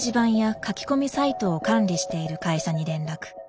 書き込みサイトを管理している会社に連絡。